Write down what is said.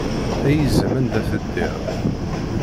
Ay izem anda teddiḍ.